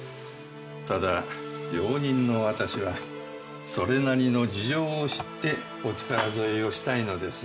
ただ用人の私はそれなりの事情を知ってお力添えをしたいのです。